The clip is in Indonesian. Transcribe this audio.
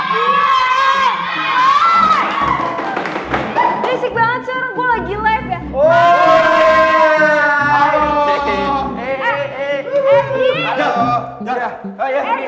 bella aku sahabatnya ari